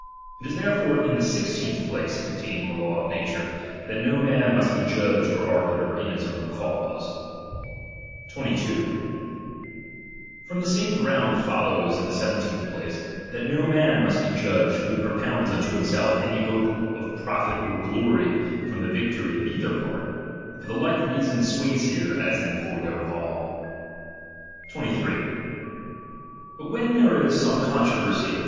It is therefore in the sixteenth place contained in the law of na ture, that no man must be Judge or arbiter in fus own cause. Th. Mxea 22. From the same ground follows in the seven muim musi tecDth placc, that no man must be judge, tvho pro h^>lf^^^ pounds unto himself any hope of profit or glory ^^^^^J^"* '^^ rictory of' either part : for the like re^> atou. juj^fd. son sways here, as in the foregoing law. 23. But when there is some controversy of the chap.